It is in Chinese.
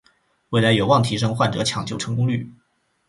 未来有望提升患者抢救成功率